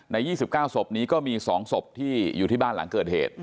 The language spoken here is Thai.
๒๙ศพนี้ก็มี๒ศพที่อยู่ที่บ้านหลังเกิดเหตุ